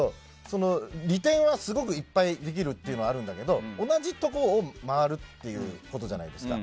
利点はすごくいっぱいできるというのはあるんだけど同じところを回るっていうことじゃないですか。